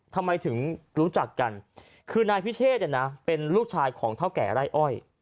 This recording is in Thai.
ทำไมถึงรู้จักกันคือนายพิเชษเนี่ยนะเป็นลูกชายของเท่าแก่ไร่อ้อย